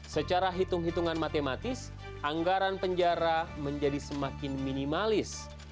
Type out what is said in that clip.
secara hitung hitungan matematis anggaran penjara menjadi semakin minimalis